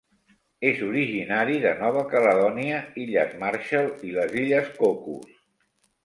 És originari de Nova Caledònia, Illes Marshall i les Illes Cocos.